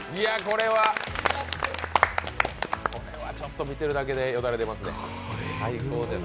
これはちょっと見てるだけでよだれでますね、最高です。